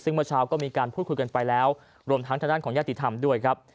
ซึ่งเมื่อเช้าก็มีการพูดคุยกันไปแล้วรวมทั้งทางด้านของญาติธรรมด้วยครับ